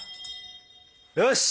よし！